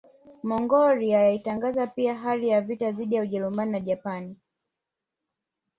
Mongolia yalitangaza pia hali ya vita dhidi ya Ujerumani na Japani